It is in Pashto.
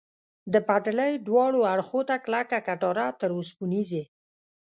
د پټلۍ دواړو اړخو ته کلکه کټاره، تر اوسپنیزې.